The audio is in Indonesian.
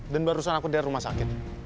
dan barusan aku dari rumah sakit